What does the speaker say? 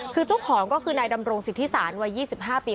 คือช่วงของก็คือนายดำรงศิษฐศาสตร์วัย๒๕ปี